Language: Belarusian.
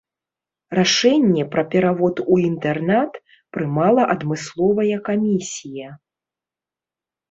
Рашэнне пра перавод у інтэрнат прымала адмысловая камісія.